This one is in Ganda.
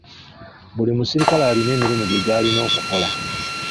Buli muserikale alina emirimu gye gy'alina okukola.